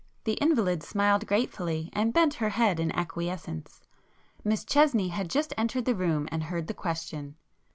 The invalid smiled gratefully, and bent her head in acquiescence. Miss Chesney had just entered the room and heard the question.